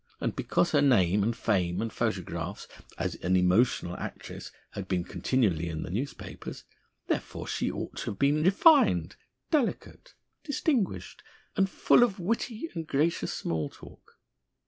And, because her name and fame and photographs, as an emotional actress had been continually in the newspapers, therefore she ought to have been refined, delicate, distinguished, and full of witty and gracious small talk.